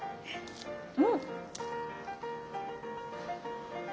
うん！